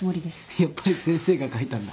やっぱり先生が書いたんだ。